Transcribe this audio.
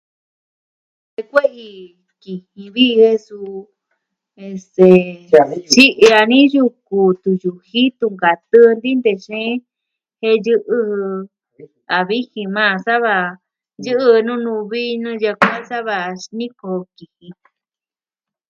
Kue'i kijin viji je suu, este... tyi'i dani yuku tuyujii jin tunkatɨɨ, ti'in nute xeen jen yɨ'ɨ a vijin maa jan, sava yɨ'ɨ nɨɨ nuvi nɨɨ yakuaa sa va xinikoo kijin.